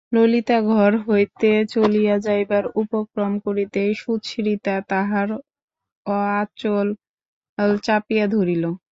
ললিতা ঘর হইতে চলিয়া যাইবার উপক্রম করিতেই সুচরিতা তাহার আঁচল চাপিয়া ধরিল।